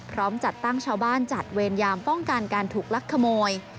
จัดตั้งชาวบ้านจัดเวรยามป้องกันการถูกลักขโมย